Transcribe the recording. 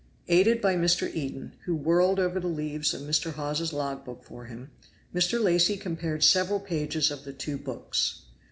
Aided by Mr. Eden, who whirled over the leaves of Mr. Hawes's log book for him, Mr. Lacy compared several pages of the two books.